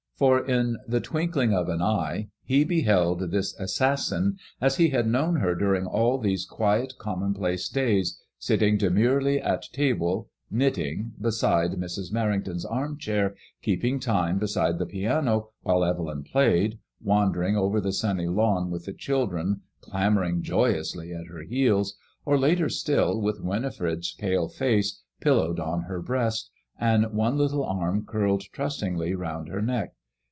For in the twinkling l6o MADEMOISRLLS VOL of an eye he beheld this assassin as he had known her during all these quiet commonplace days, sitting demurely at table^ knitting, beside Mrs. Merring ton's arm chair, keeping time beside the piano while Evelyn played, wandering over the sunny lawn with the children clamour ing joyously at her heels, or later still, with Winifred's pale face pillowed on her breast and one little arm curled trustingly round her neck.